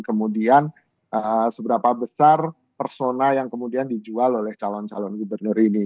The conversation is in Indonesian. kemudian seberapa besar persona yang kemudian dijual oleh calon calon gubernur ini